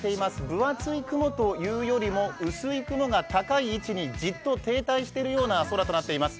分厚い雲というよりも薄い雲が高い位置にじっと停滞しているような空となっています。